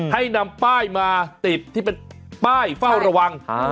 ให้นำป้ายมาติดที่เป็นป้ายเฝ้าระวัง